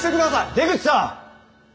出口さん。